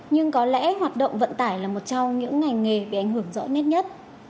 nhưng có lẽ hoạt động vận tải là một trong những ngành nghề bị ảnh hưởng rõ nét nhất